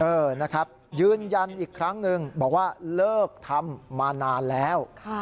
เออนะครับยืนยันอีกครั้งหนึ่งบอกว่าเลิกทำมานานแล้ว